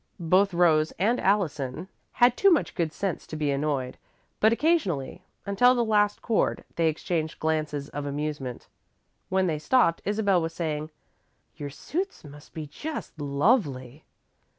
Both Rose and Allison had too much good sense to be annoyed, but occasionally, until the last chord, they exchanged glances of amusement. When they stopped, Isabel was saying: "Your suits must be just lovely."